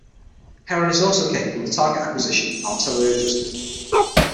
Heron is also capable of target acquisition and artillery adjustment.